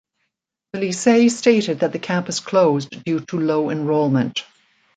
The Lycee stated that the campus closed due to low enrollment.